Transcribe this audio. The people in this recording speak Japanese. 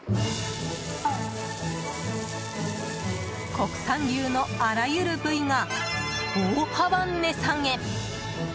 国産牛のあらゆる部位が大幅値下げ。